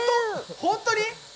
本当に？